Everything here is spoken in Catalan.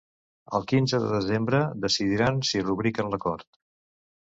El quinze de desembre decidiran si rubriquen l’acord.